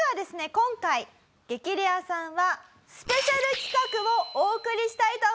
今回『激レアさん』はスペシャル企画をお送りしたいと思っております！